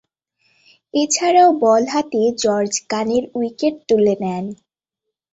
এছাড়াও বল হাতে জর্জ গানের উইকেট তুলে নেন।